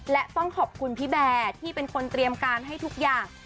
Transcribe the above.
และต้องขอบคุณพี่แบร์ที่เป็นคนเตรียมการให้ทุกอย่าง